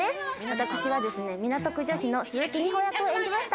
私は港区女子の鈴木美穂役を演じました。